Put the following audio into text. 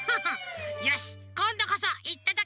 よしこんどこそいっただきます！